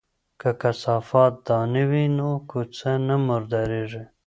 که کثافات دانی وي نو کوڅه نه مرداریږي.